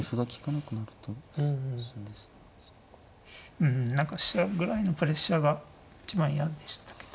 うん何か飛車ぐらいのプレッシャーが一番嫌でしたけど。